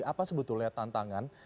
apa sebetulnya tantangan